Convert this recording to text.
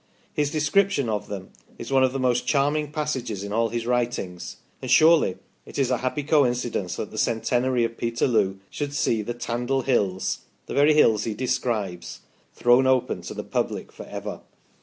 His description of them is one of the most charming passages in all his writings ; and surely it is a happy coincidence that the centenary of Peterloo should see the Tandle Hills the very hills he describes thrown open to the public for ever.